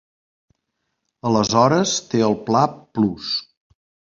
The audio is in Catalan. Aleshores té el pla Plus.